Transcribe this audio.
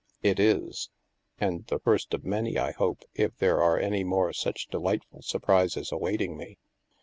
" It is. And the first of many, I hope, if there are any more such delightful surprises awaiting me.